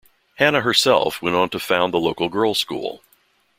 Hannah herself went on to found the local girls' school.